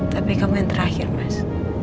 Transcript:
tapi kamu yang terakhir mas